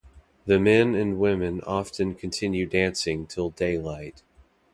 The men and women often continue dancing till daylight.